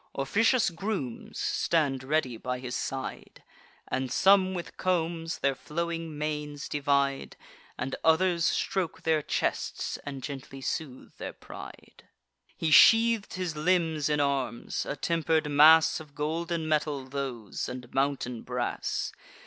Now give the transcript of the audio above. Officious grooms stand ready by his side; And some with combs their flowing manes divide, And others stroke their chests and gently soothe their pride. He sheath'd his limbs in arms; a temper'd mass Of golden metal those, and mountain brass.